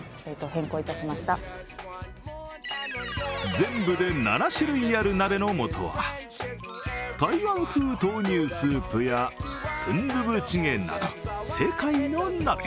全部で７種類ある鍋の素は、台湾豆乳スープやスンドゥブチゲなど、世界の鍋。